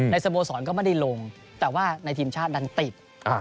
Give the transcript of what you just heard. สโมสรก็ไม่ได้ลงแต่ว่าในทีมชาติดันติด